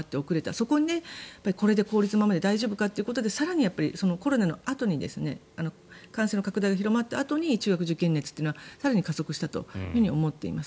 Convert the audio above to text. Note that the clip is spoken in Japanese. そこに公立のままで大丈夫かということで更にコロナのあとに感染の拡大が広まったあとに中学受験熱は更に加速したと思っています。